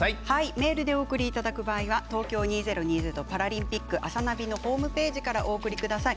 メールでお送りいただく場合は「東京２０２０パラリンピックあさナビ」のホームページからお送りください。